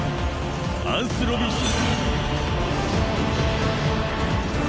アンスロビンシア！